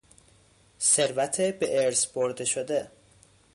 ثروت به ارث برده شده